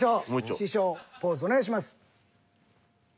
シショウポーズお願いします。